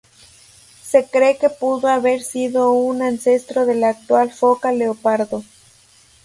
Se cree que pudo haber sido un ancestro de la actual foca leopardo.